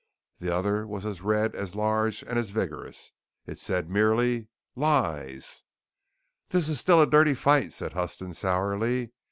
The other was as red, as large, and as vigorous. It said, merely: "LIES" "This is still a dirty fight," said Huston sourly.